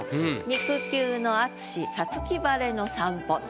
「肉球のあつし五月晴れの散歩」。